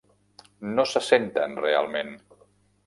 No se senten realment.